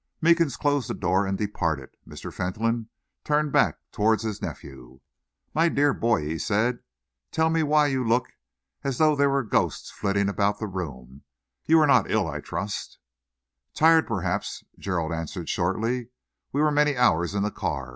Meekins closed the door and departed. Mr. Fentolin turned back towards his nephew. "My dear boy," he said, "tell me why you look as though there were ghosts flitting about the room? You are not ill, I trust?" "Tired, perhaps," Gerald answered shortly. "We were many hours in the car.